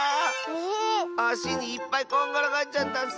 あしにいっぱいこんがらがっちゃったッス！